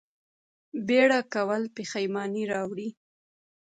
بیړه کول پښیماني راوړي